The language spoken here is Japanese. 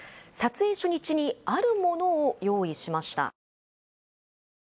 撮影初日にあるものを用意しました。